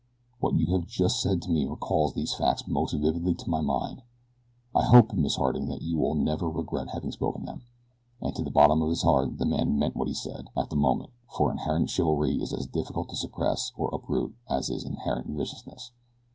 What you have just said to me recalls these facts most vividly to my mind I hope, Miss Harding, that you will never regret having spoken them," and to the bottom of his heart the man meant what he said, at the moment; for inherent chivalry is as difficult to suppress or uproot as is inherent viciousness.